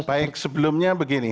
baik sebelumnya begini